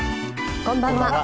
こんばんは。